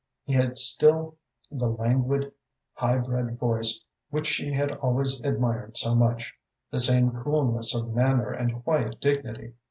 He had still the languid, high bred voice which she had always admired so munch, the same coolness of manner and quiet dignity.